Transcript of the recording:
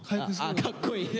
あかっこいい！